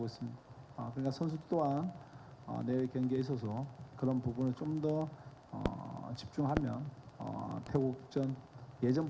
saya berharap para pelatih juga ber jerome harrison